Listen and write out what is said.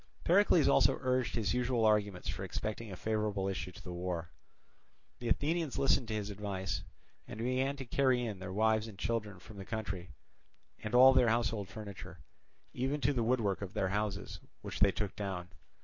Pericles also urged his usual arguments for expecting a favourable issue to the war. The Athenians listened to his advice, and began to carry in their wives and children from the country, and all their household furniture, even to the woodwork of their houses which they took down.